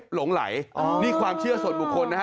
หลงไหลนี่ความเชื่อส่วนบุคคลนะฮะ